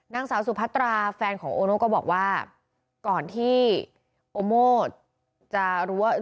นางสาวสุพัตราแฟนของโอโน่ก็บอกว่าก่อนที่โอโม่จะรู้ว่า